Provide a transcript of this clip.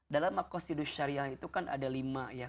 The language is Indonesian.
dalam akostidus syariat itu kan ada lima ya